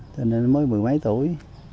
cho nên mới mười mấy tuổi